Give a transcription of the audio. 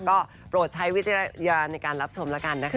ก็โปรดใช้วิทยาลัยในการรับชมละกันนะคะ